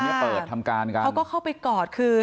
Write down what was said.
วันไว้เปิดทำการกันเขาก็เข้าไปกอด